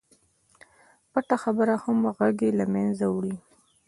پټه خبره همغږي له منځه وړي.